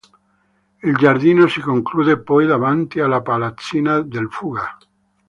Il giardino si conclude poi davanti alla Palazzina del Fuga.